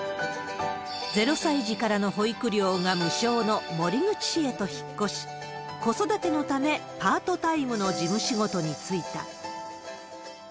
０歳児からの保育料が無償の守口市へと引っ越し、子育てのため、パートタイムの事務仕事に就いた。